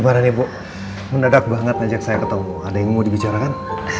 gimana nih bu mendadak banget ngajak saya ketemu ada yang mau dibicarakan